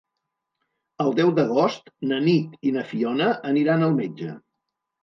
El deu d'agost na Nit i na Fiona aniran al metge.